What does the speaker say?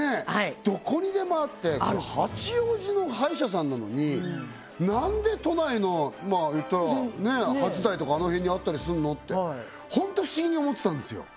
どこにでもあって八王子の歯医者さんなのに何で都内の言ったら初台とかあの辺にあったりするのってホント不思議に思ってたんですよ